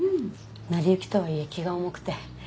成り行きとはいえ気が重くて。